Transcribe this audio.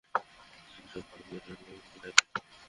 সেটা ভালো কোন জায়গা না।